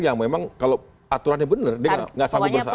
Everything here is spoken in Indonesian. yang memang kalau aturannya benar dia nggak sampai berusaha ini